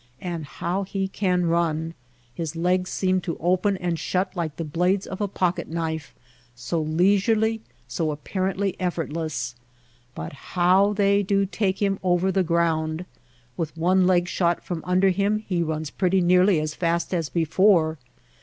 And how he can run ! His legs seem to open and shut like the blades of a pocket knife, so leisurely, so apparently effortless. But how they do take him over the ground ! With one leg shot from under him he runs pretty nearly as fast as before.